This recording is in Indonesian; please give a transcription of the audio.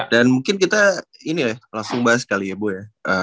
dan mungkin kita ini ya langsung bahas kali ya bu ya